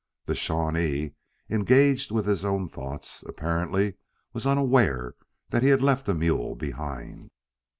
The Shawnee, engaged with his own thoughts, apparently was unaware that he had left a mule behind.